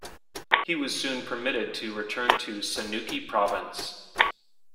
He was soon permitted to return to Sanuki Province.